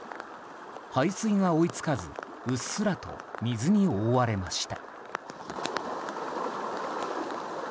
排水が追い付かずうっすらと水に覆われました。